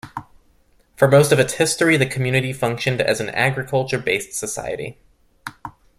For most of its history, the community functioned as an agriculture-based society.